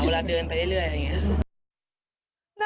เวลาเดินไปเรื่อยอะไรอย่างนี้